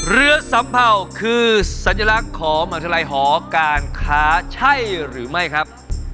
สัมเผ่าคือสัญลักษณ์ของมหาวิทยาลัยหอการค้าใช่หรือไม่ครับ